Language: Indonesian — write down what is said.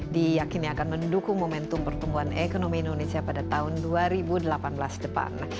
diyakini akan mendukung momentum pertumbuhan ekonomi indonesia pada tahun dua ribu delapan belas depan